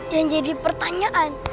dan jadi pertanyaan